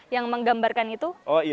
yang menggambarkan itu